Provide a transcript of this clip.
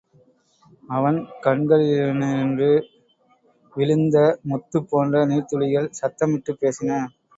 அவன் கண்களினின்று விழுந்த முத்துப் போன்ற நீர்த்துளிகள் சத்தமிட்டுப் பேசின.